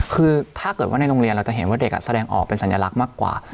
คือถ้าเกิดว่าในโรงเรียนเราจะเห็นว่าเด็กแสดงออกเป็นสัญลักษณ์มากกว่า